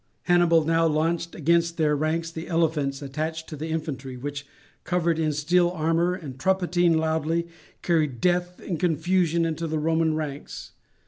Hannibal now launched against their ranks the elephants attached to the infantry, which, covered in steel armour and trumpeting loudly, carried death and confusion into the Roman ranks.